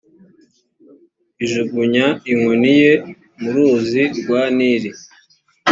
ajugunya inkoni ye mu ruzi rwa nili